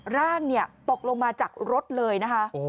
ร่างตกลงมาจากรถเลยนะคะ